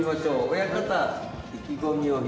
親方、意気込みを。